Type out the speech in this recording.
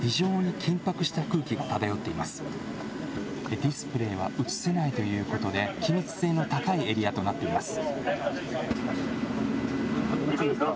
ディスプレーは映せないということで機密性が高いエリアとなっています。